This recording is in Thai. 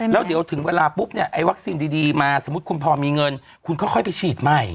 แล้วเดี๋ยวถึงเวลาปุ๊บเนี่ยไอ้วัคซีนดีมาสมมุติคุณพอมีเงินคุณค่อยไปฉีดใหม่